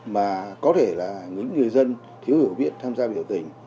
mà có thể là những người dân thiếu hiểu biết tham gia biểu tình